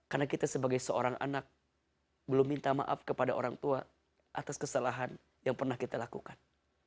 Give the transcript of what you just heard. karena kita sebagai seorang anak belum minta maaf kepada orang tua atas kesalahan yang pernah kita lakukan